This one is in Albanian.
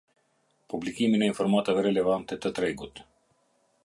Publikimin e informatave relevante të tregut.